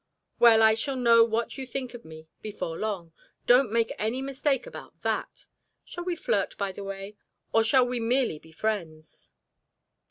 "Well, I shall know what you think of me before long don't make any mistake about that. Shall we flirt, by the way, or shall we merely be friends?"